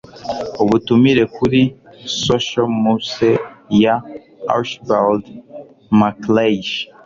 ubutumire kuri social muse ya archibald macleish